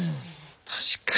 確かに。